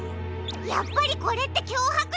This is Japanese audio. やっぱりこれってきょうはくじょうだ！